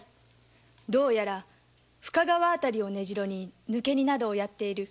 どうやら深川辺りを根城に抜け荷などをやっている裏